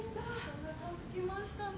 ・おなかすきましたね。